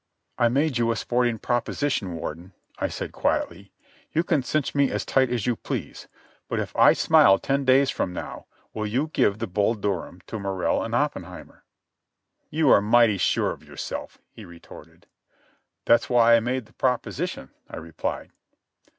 "I made you a sporting proposition, Warden," I said quietly. "You can cinch me as tight as you please, but if I smile ten days from now will you give the Bull Durham to Morrell and Oppenheimer?" "You are mighty sure of yourself," he retorted. "That's why I made the proposition," I replied.